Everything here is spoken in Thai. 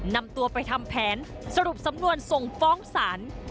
นำตัวไปทำแผนสรุปสำนวนส่งฟ้องศาล